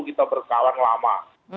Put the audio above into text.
kita berkawan lama